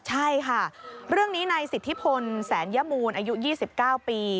ใช่ค่ะเรื่องนี้ในสิทธิพลแสนยมูลอายุ๒๙ปี